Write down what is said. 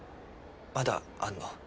まだあんの？